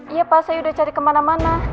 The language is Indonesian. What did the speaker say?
iya pas saya udah cari kemana mana